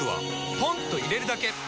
ポンと入れるだけ！